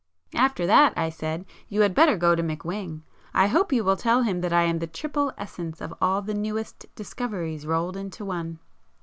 "After that," I said—"you had better go to McWhing. I hope you will tell him that I am the triple essence of all the newest 'discoveries' rolled into one!"